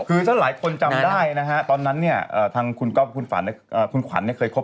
คือถ้าหลายคนจำได้ตอนนั้นทั้งคุณก๊อบคุณขวัญเคยคบกันมาก่อน